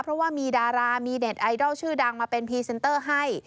เพราะว่ามีดารามีเน็ตไอดอลชื่อดังมาเป็นพรีเซนเตอร์ให้